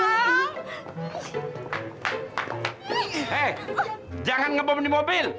hei jangan ngebom di mobil